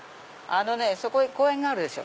そこへ公園があるでしょ。